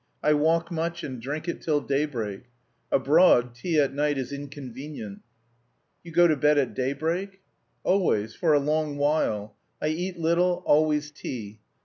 "I walk much and drink it till daybreak. Abroad tea at night is inconvenient." "You go to bed at daybreak?" "Always; for a long while. I eat little; always tea.